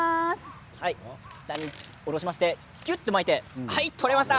下に下ろしてきゅっと巻いて取れました。